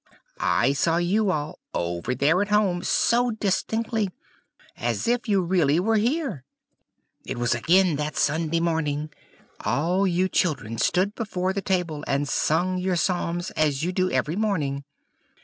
"I saw you all over there at home so distinctly, as if you really were here; it was again that Sunday morning; all you children stood before the table and sung your Psalms, as you do every morning.